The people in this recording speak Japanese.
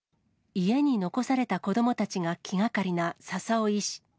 家に残された子どもたちが、気がかりな笹尾医師。